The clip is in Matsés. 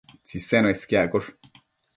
Tsisen uesquiaccosh